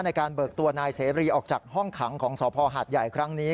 ในการเบิกตัวนายเสรีออกจากห้องขังของสพหาดใหญ่ครั้งนี้